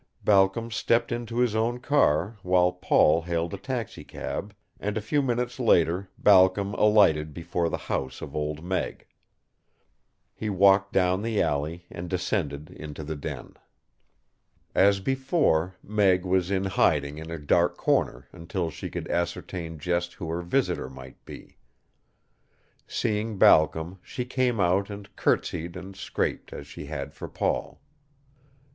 Balcom stepped into his own car, while Paul hailed a taxicab, and a few minutes later Balcom alighted before the house of Old Meg. He walked down the alley and descended into the den. As before, Meg was in hiding in a dark corner until she could ascertain just who her visitor might be. Seeing Balcom, she came out and courtesied and scraped as she had for Paul.